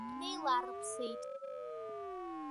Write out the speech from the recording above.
Инеиларԥсеит.